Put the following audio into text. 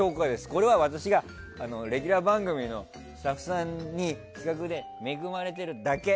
これは私がレギュラー番組のスタッフさんに恵まれてるだけ。